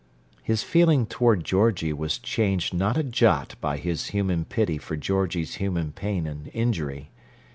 His feeling toward Georgie was changed not a jot by his human pity for Georgie's human pain and injury.